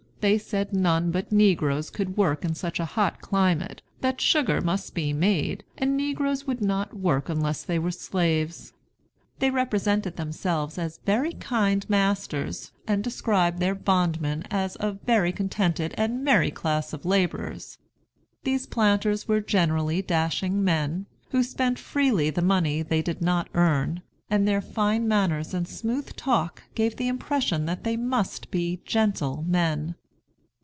They said none but negroes could work in such a hot climate, that sugar must be made, and negroes would not work unless they were slaves. They represented themselves as very kind masters, and described their bondmen as a very contented and merry class of laborers. These planters were generally dashing men, who spent freely the money they did not earn; and their fine manners and smooth talk gave the impression that they must be gentle men.